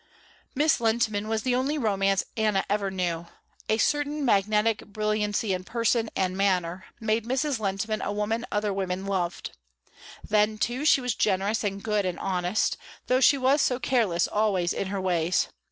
Mrs. Lehntman was the only romance Anna ever knew. A certain magnetic brilliancy in person and in manner made Mrs. Lehntman a woman other women loved. Then, too, she was generous and good and honest, though she was so careless always in her ways.